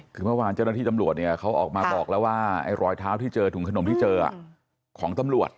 คือเมื่อวานเจ้าหน้าที่ตำรวจเนี่ยเขาออกมาบอกแล้วว่าไอ้รอยเท้าที่เจอถุงขนมที่เจอของตำรวจ